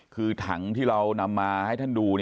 คือถังที่เรานำมาให้ท่านดู